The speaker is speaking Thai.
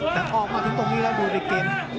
แต่ออกมาถึงตรงนี้แล้วดูในเกม